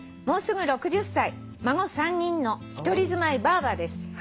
もうすぐ６０歳孫３人の一人住まいばぁばです」